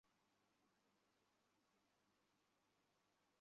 তাঁদের সচেতন করতে পারলে বিদেশে মাছের রপ্তানির পরিমাণ আরও বাড়ানো যাবে।